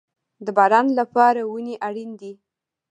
د باران لپاره ونې اړین دي